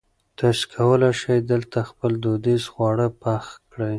تاسي کولای شئ دلته خپل دودیز خواړه پخ کړي.